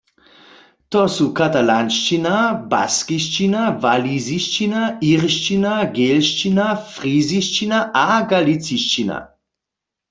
To su katalanšćina, baskišćina, walizišćina, iršćina, gelšćina, frizišćina a galicišćina.